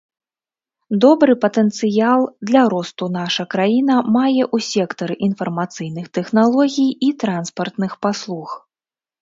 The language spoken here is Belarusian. Добры патэнцыял для росту наша краіна мае ў сектары інфармацыйных тэхналогій і транспартных паслуг.